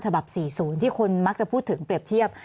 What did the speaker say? ๔๐ที่คนมักจะพูดถึงเปรียบเทียบ